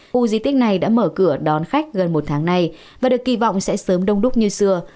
khu di tích này đã mở cửa đón khách gần một tháng nay và được kỳ vọng sẽ sớm đông đúc như xưa